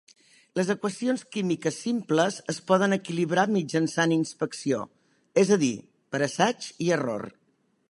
Les equacions químiques simples es poden equilibrar mitjançant inspecció, és a dir, per assaig i error.